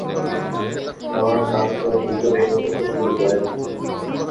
তাঁর স্বাস্থ্য দ্রুত ভেঙ্গে পড়তে শুরু করে।